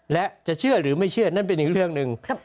และจะเชื่อหรือไม่เชื่อนั่นเป็นอีกเรื่องหนึ่ง